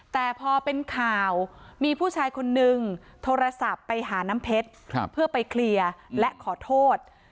แต่พอเป็นข่าวมีผู้ชายคนนึงโทรศัพท์ไปหาน้ำเพชรเพื่อไปเคลียร์และขอโทษ